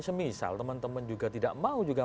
semisal teman teman juga tidak mau juga